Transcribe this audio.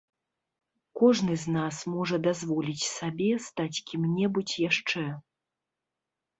Кожны з нас можа дазволіць сабе стаць кім-небудзь яшчэ.